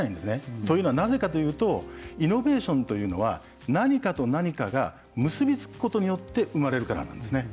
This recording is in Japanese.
というのはなぜかというとイノベーションというのは何かと何かが結び付くことによって生まれるからなんですね。